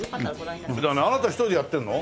あなた一人でやってるの？